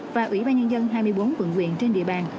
và ủy ban nhân dân hai mươi bốn vận quyền trên địa bàn